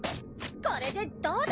これでどうだ！